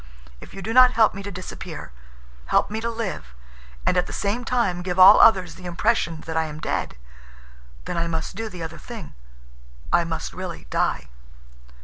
If you do not help me to disappear, help me to live—and at the same time give all others the impression that I am dead—then I must do the other thing. I must really die."